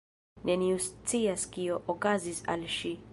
Neniu scias kio okazis al ŝi